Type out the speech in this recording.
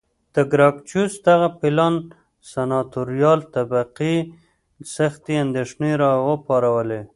د ګراکچوس دغه پلان سناتوریال طبقې سختې اندېښنې را وپارولې